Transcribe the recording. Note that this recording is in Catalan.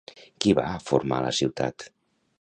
Qui va formar la ciutat?